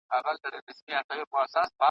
پورته غر کښته ځنګل وي شین سهار د زرکو شخول وي ,